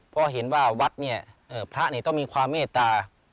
เพราะเห็นว่าวัดเนี่ยพระต้องมีความเมตตา